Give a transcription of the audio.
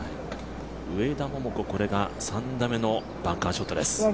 上田桃子、これが３打目のバンカーショットです。